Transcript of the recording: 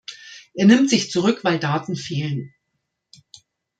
Er nimmt sich zurück, weil Daten fehlen.